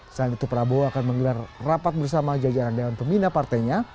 selain itu prabowo akan menggelar rapat bersama jajaran dewan pembina partainya